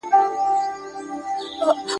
که ستا او د هغه تر منځ د وصل ټولي رسۍ وشکيږي.